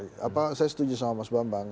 saya setuju sama mas bambang